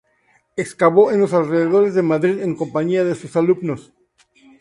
Excavó en los alrededores de Madrid en compañía de sus alumnos.